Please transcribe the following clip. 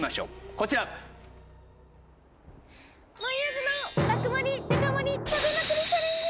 こちら。もえあずの爆盛りデカ盛り食べまくりチャレンジ！